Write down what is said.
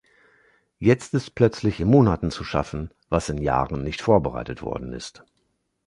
Jetzt ist plötzlich in Monaten zu schaffen, was in Jahren nicht vorbereitet worden ist.